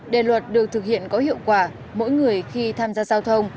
để luật được thực hiện có hiệu quả mỗi người khi tham gia giao thông